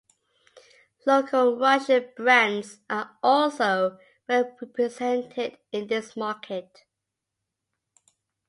Local Russian brands are also well-represented in this market.